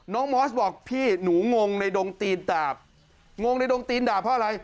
มอสบอกพี่หนูงงในดงตีนดาบงในดงตีนดาบเพราะอะไร